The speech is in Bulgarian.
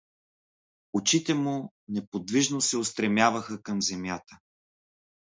Очите му неподвижно се устремяваха към земята.